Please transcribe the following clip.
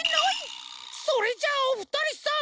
それじゃあおふたりさん！